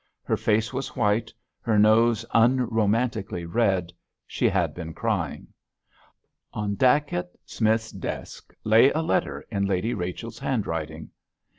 Her face was white, her nose unromantically red; she had been crying. On Dacent Smith's desk lay a letter in Lady Rachel's handwriting.